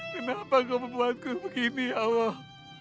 kenapa kamu membuatku begini ya allah